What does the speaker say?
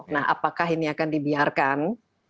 nah apakah ini akan dibiarkan